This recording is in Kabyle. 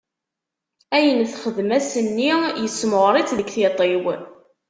Ayen texdem ass-nni yessemɣer-itt deg tiṭ-iw.